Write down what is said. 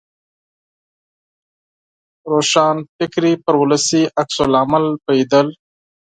روښانفکران پر ولسي عکس العمل پوهېدل.